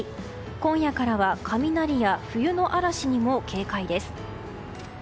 今夜からは雷や冬の嵐にも警戒です。